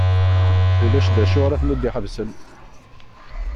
Ulac d acu ara ten-id-iḥebsen.